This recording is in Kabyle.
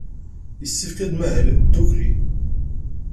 Yessefk ad nmahel ddukkli.